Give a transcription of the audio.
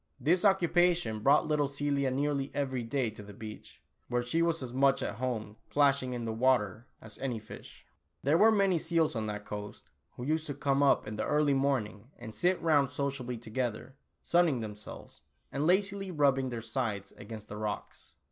This occupa tion brouo; ht little Celia nearly everv dav to the beach, where she was as much at home splashing in the water, as any fish. 39 40 Tula Oolah. There were many seals on that coast, who used to come up in the early morning and sit round sociably together, sunning themselves, and lazily rubbing their sides against the rocks.